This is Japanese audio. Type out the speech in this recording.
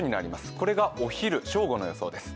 これがお昼、正午の予想です。